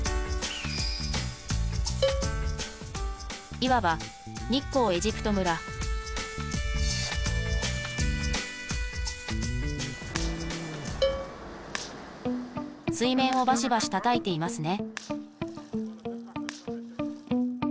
いわば日光エジプト村水面をバシバシたたいていますね